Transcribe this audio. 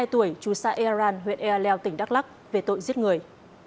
bốn mươi hai tuổi trù xa iran huyện ealel tỉnh đắk lắc về tội giết người